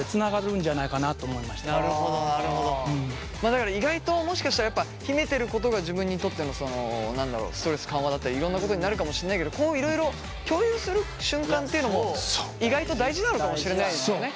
だから意外ともしかしたらやっぱ秘めてることが自分にとってのストレス緩和だったりいろんなことになるかもしれないけどこういろいろ共有する瞬間っていうのも意外と大事なのかもしれないですよね。